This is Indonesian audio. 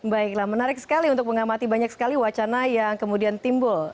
baiklah menarik sekali untuk mengamati banyak sekali wacana yang kemudian timbul